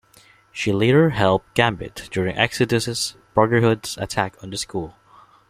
She later helped Gambit during Exodus's Brotherhood's attack on the school.